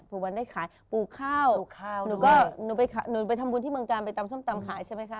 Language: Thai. ปลูกมันได้ขายปลูกข้าวหนูก็ไปทำบุญที่เมืองกาลไปตำส้มตำขายใช่ไหมค่ะ